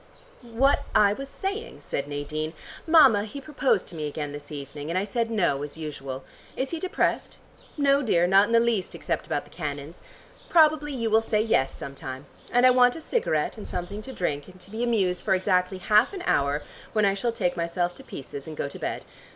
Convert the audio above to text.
"What I was saying," said Nadine. "Mama, he proposed to me again this evening, and I said 'no' as usual. Is he depressed?" "No, dear, not in the least except about the cannons. Probably you will say 'yes,' sometime. And I want a cigarette and something to drink, and to be amused for exactly half an hour, when I shall take myself to pieces and go to bed.